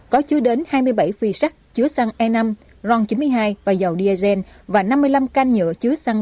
có chứa đến hai mươi bảy phi sắt chứa xăng e năm ron chín mươi hai và dầu diesel và năm mươi năm canh nhựa chứa xăng